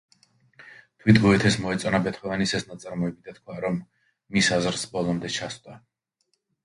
თვით გოეთეს მოეწონა ბეთჰოვენის ეს ნაწარმოები და თქვა, რომ მის აზრს ბოლომდე ჩასწვდა.